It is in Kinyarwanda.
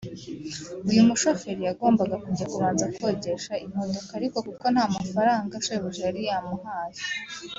uyu mushoferi ngo yagombaga kubanza kujya kogesha imodoka ariko kuko nta mafaranga shebuja yari yamuhaye